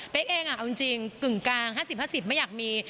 แป๊กเองอ่ะเอาจริงจริงกึ่งกลางห้าสิบห้าสิบไม่อยากมี